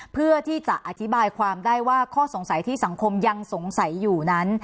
เพื่อที่จะอธิบายความได้ว่าข้อสงสัยที่สังคมยังสงสัยอยู่นั้น